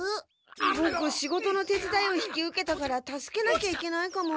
ボク仕事の手伝いを引き受けたから助けなきゃいけないかも。